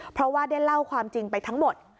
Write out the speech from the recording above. เพราะว่าได้เล่าความจริงไปทั้งหมด